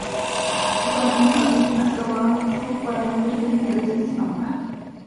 Tom y Mary acabado para la fábrica de juguetes y se enamoran.